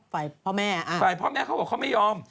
ฝ่ายพ่อแม่เขาบอกเขาไม่ยอม